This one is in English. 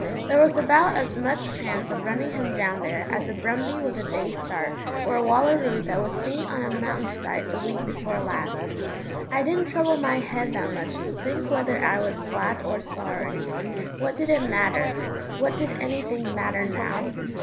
There was about as much chance of running him down there as a brumbie with a day's start or a wallaroo that was seen on a mountain side the week before last. I didn't trouble my head that much to think whether I was glad or sorry. What did it matter? What did anything matter now?